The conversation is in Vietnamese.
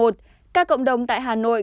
các cộng đồng tại hà nội